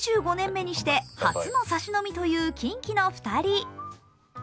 ２５年目にして初のサシ飲みというキンキの２人。